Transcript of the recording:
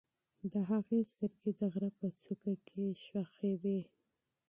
د هغې سترګې د غره په څوکه کې خښې وې.